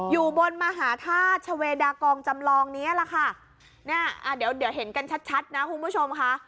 อยู่บนมหาธาตุชเวดากองจำลองเนี้ยแหละค่ะเนี่ยอ่าเดี๋ยวเดี๋ยวเห็นกันชัดชัดนะคุณผู้ชมค่ะ